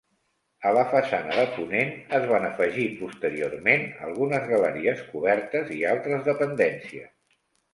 A la façana de ponent es van afegir posteriorment algunes galeries cobertes i altres dependències.